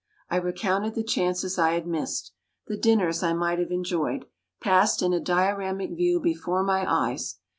I recounted the chances I had missed. The dinners I might have enjoyed, passed in a dioramic view before my eyes.